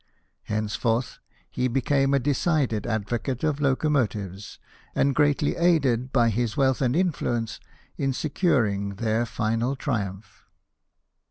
Henceforth, he became a decided advocate of locomotives, and greatly aided by his wealth and influence in securing their final triumph.